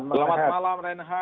selamat malam renha